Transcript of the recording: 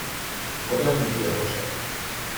Voda nebude hořet.